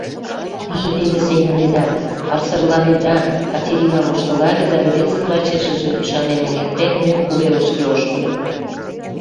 — Вий дене сеҥынеда, арсырланеда, — Катерина воштылале да рвезын вачешыже ӱшанен эҥертен, мӧҥгӧ велышке ошкыльо.